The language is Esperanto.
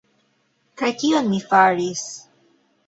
Kaj kion mi faris?